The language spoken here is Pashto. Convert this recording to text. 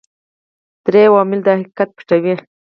درې عوامل دا حقیقت پټوي.